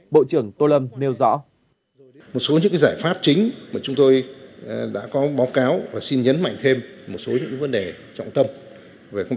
bộ trưởng tô lâm nêu rõ